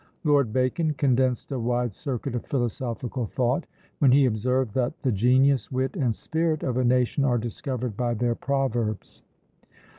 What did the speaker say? Lord Bacon condensed a wide circuit of philosophical thought, when he observed that "the genius, wit, and spirit of a nation are discovered by their proverbs."